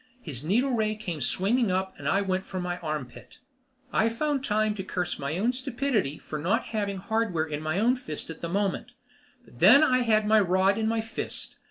His needle ray came swinging up and I went for my armpit. I found time to curse my own stupidity for not having hardware in my own fist at the moment. But then I had my rod in my fist.